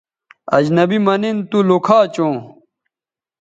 اجنبی مہ نِن تو لوکھا چوں